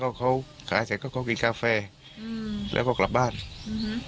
พอเขาขายเสร็จก็เขามีกาแฟอืมแล้วก็กลับบ้านอืม